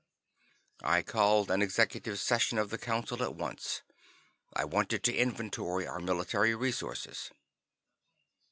I called an executive session of the Council at once. I wanted to inventory our military resources.